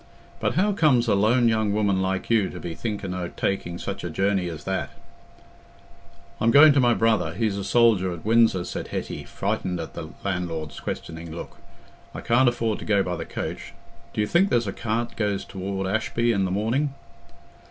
But how comes a lone young woman like you to be thinking o' taking such a journey as that?" "I'm going to my brother—he's a soldier at Windsor," said Hetty, frightened at the landlord's questioning look. "I can't afford to go by the coach; do you think there's a cart goes toward Ashby in the morning?"